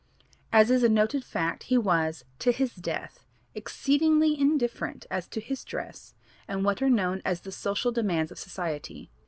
As is a noted fact he was, to his death, exceedingly indifferent as to his dress and what are known as the social demands of society.